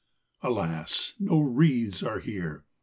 Alas ! no wreaths are here.